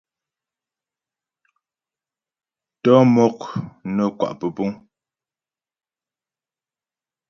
Tɔ'ɔ mɔk nə́ kwa' pə́púŋ.